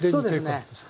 そうですね。